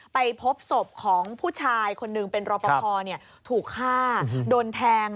ไปพบศพของผู้ชายคนหนึ่งเป็นรอปภถูกฆ่าโดนแทง